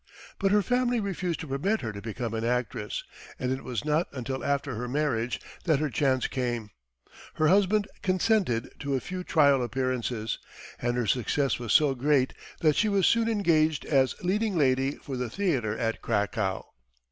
But her family refused to permit her to become an actress, and it was not until after her marriage that her chance came. Her husband consented to a few trial appearances, and her success was so great that she was soon engaged as leading lady for the theatre at Cracow.